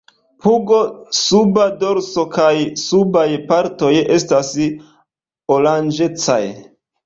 Pugo, suba dorso kaj subaj partoj estas oranĝecaj.